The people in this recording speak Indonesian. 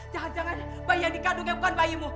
jangan jangan bayi yang dikandungnya bukan bayimu